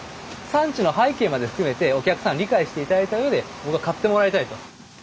産地の背景まで含めてお客さんに理解して頂いたうえで僕は買ってもらいたいと。